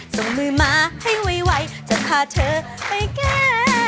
ส่งมือมาให้ไวจะพาเธอไปแก้